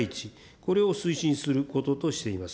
これを推進することとしています。